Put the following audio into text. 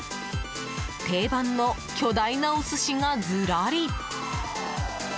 定番の巨大なお寿司がずらり。